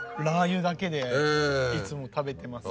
でいつも食べてます。